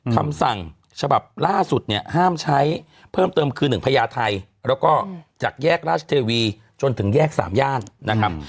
คำสั่งฉบับล่าสุดเนี่ยห้ามใช้เพิ่มเติมคือ๑พญาไทยแล้วก็จากแยกราชเทวีจนถึงแยก๓ย่านนะครับ